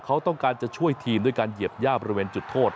เขาต้องการจะช่วยทีมด้วยการเหยียบย่าบริเวณจุดโทษ